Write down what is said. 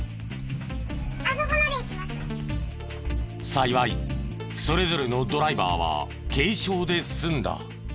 幸いそれぞれのドライバーは軽傷で済んだ。